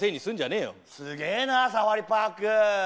すげえなサファリパーク。